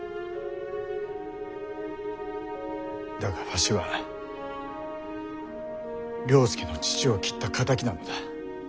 だがわしは了助の父を斬った敵なのだ。